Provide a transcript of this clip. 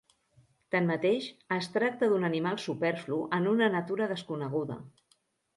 Tanmateix, es tracta d'un animal superflu en una natura desconeguda.